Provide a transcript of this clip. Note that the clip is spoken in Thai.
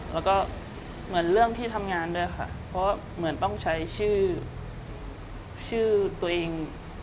แล้วก็เหมือนเรื่องที่ทำงานด้วยค่ะเพราะเหมือนต้องใช้ชื่อตัวเอง